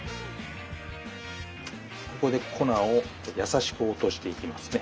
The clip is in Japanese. ここで粉をやさしく落としていきますね。